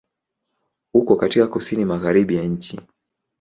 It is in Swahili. Uko katika Kusini Magharibi ya nchi.